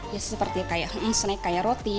ya seperti kayak snack kayak roti